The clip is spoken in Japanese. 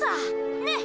ねっ。